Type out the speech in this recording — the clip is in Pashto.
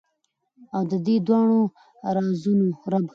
او ددې دواړو رازونو رب ،